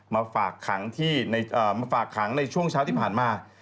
มาฝากขังในช่วงเช้าที่ผ่านมา